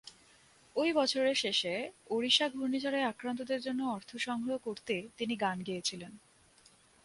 ঐ বছরের শেষে, ওডিশা ঘূর্ণিঝড়ে আক্রান্তদের জন্য অর্থ সংগ্রহ করতে তিনি গান গেয়েছিলেন।